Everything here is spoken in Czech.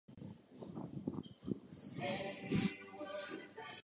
Ilustroval převážně knihy pro děti.